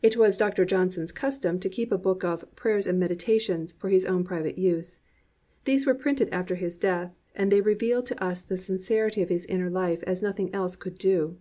It was Dr. Johnson's custom to keep a book of Prayers and Meditations for his own private use. These were printed after his death, and they reveal to us the sincerity of his inner life as nothing else could do.